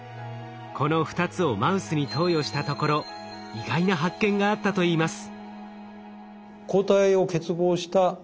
この２つをマウスに投与したところ意外な発見があったといいます。